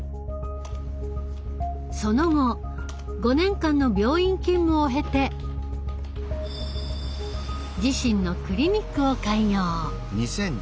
その後５年間の病院勤務を経て自身のクリニックを開業。